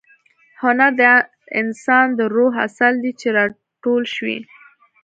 هنر د انسان د روح عسل دی چې را ټول شوی.